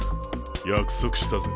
約束したぜ。